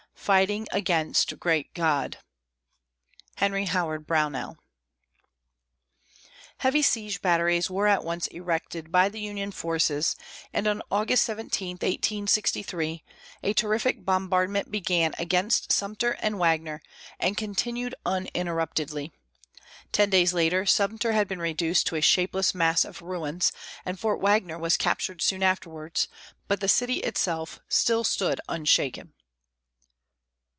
Fighting against Great God. HENRY HOWARD BROWNELL. Heavy siege batteries were at once erected by the Union forces and on August 17, 1863, a terrific bombardment began against Sumter and Wagner, and continued uninterruptedly. Ten days later Sumter had been reduced to a shapeless mass of ruins, and Fort Wagner was captured soon afterwards, but the city itself still stood unshaken.